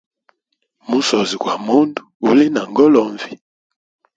Musozi gwa mundu guli na ngolonvi.